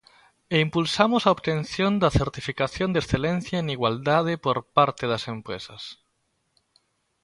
E impulsamos a obtención da certificación de excelencia en igualdade por parte das empresas.